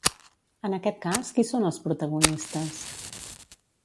En aquest cas, qui són els protagonistes?